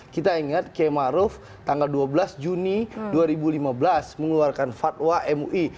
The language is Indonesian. kita ingat kiai maruf tanggal dua belas juni dua ribu lima belas mengeluarkan fatwa mui